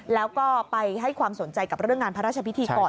แล้วก็ไปให้ความสนใจกับเรื่องงานพระราชพิธีก่อน